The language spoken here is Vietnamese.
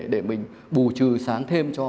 để mình bù trừ sáng thêm cho